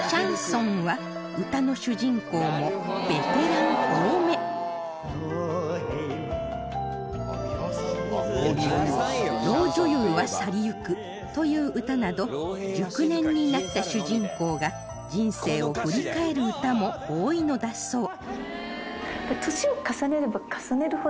シャンソンは『老女優は去り行く』という歌など熟年になった主人公が人生を振り返る歌も多いのだそう